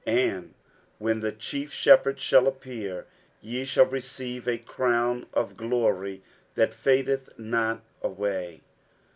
60:005:004 And when the chief Shepherd shall appear, ye shall receive a crown of glory that fadeth not away.